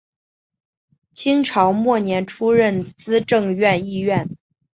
清朝末年出任资政院议员。